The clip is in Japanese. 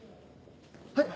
はい？